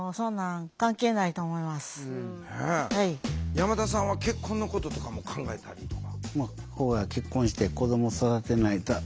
山田さんは結婚のこととかも考えたりとか？